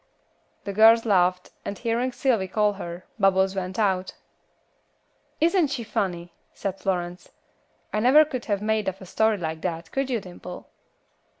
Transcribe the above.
The girls laughed, and hearing Sylvy call her, Bubbles went out. "Isn't she funny?" said Florence. "I never could have made up a story like that, could you, Dimple?"